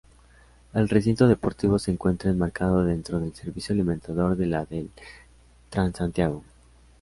El recinto deportivo se encuentra enmarcado dentro del servicio alimentador de la del Transantiago.